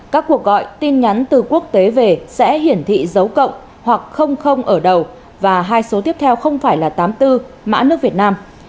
các cuộc gọi tin nhắn từ quốc tế về sẽ hiển thị dấu cộng hoặc không ở đầu và hai số tiếp theo không phải là tám mươi bốn mã nước việt nam